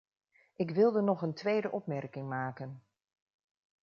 Ik wilde nog een tweede opmerking maken.